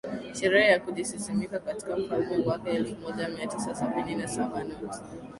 sherehe ya kujisimika kama mfalme mwaka elfumoja miatisa sabini na Saba not